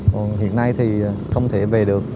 còn hiện nay thì không thể về được